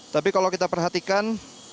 tapi kalau kita perhatikan